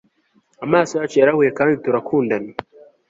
Amaso yacu yarahuye kandi turakundana